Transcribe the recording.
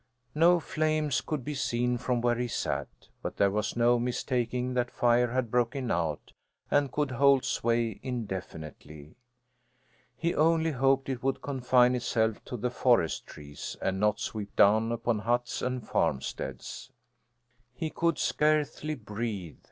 No flames could be seen from where he sat, but there was no mistaking that fire had broken out and could hold sway indefinitely. He only hoped it would confine itself to the forest trees, and not sweep down upon huts and farmsteads. He could scarcely breathe.